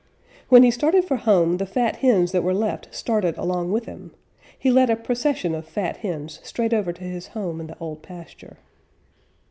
When he started for home the fat hens that were left started along with him. He led a procession of fat hens straight over to his home in the Old Pasture.